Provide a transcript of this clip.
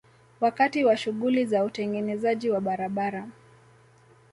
Wakati wa shughuli za utengenezaji wa barabara